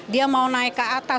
dia mau naik ke atas